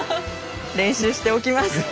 練習しておきます。